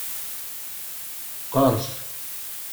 Qqers.